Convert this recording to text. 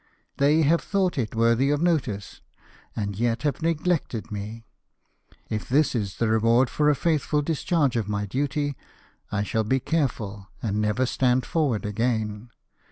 They have thought it worthy of notice, and yet have neglected me. If this is the reward for a faithfid discharge of my duty, I shall be careful, and never stand forward again.